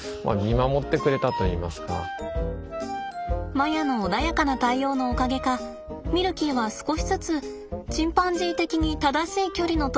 マヤの穏やかな対応のおかげかミルキーは少しずつチンパンジー的に正しい距離の取り方を学んでいきました。